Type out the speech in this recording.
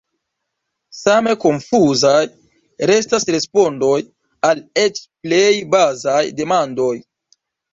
Same konfuzaj restas respondoj al eĉ plej bazaj demandoj.